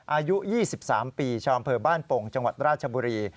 อายุ๒๓ปีชาวอำเภอบ้านโป่งจังหวัดราชบุรี